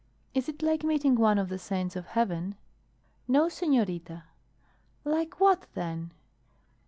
Is it like meeting one of the saints of heaven?" "No, senorita." "Like what, then?"